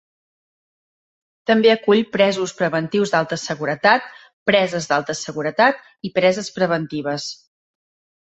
També acull presos preventius d'alta seguretat, preses d'alta seguretat i preses preventives.